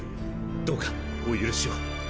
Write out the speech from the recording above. どうかお許しを。